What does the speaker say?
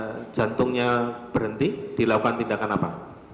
kalau dugaan ada jantungnya berhenti dilakukan tindakan apa